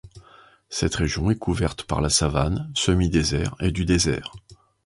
Cette région est couverte par la savane, semi-désert et du désert.